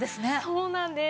そうなんです。